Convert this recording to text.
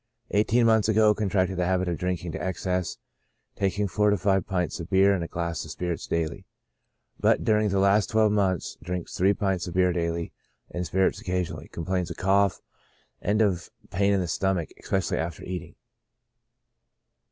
Eighteen months ago contracted the habit of drinking to excess, taking four to five pints of beer and a glass of spirits daily, but during the last twelve months drinks three pints of beer daily, and spirits occasion ally. Complains of cough, and of pain in the stomach, especially after eating.